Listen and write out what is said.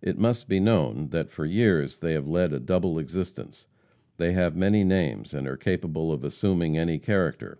It must be known that for years they have led a double existence. They have many names, and are capable of assuming any character.